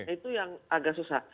itu yang agak susah